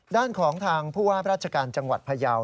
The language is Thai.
ด้านของทางผู้ว่าราชการจังหวัดพยาว